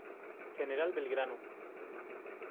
General Belgrano.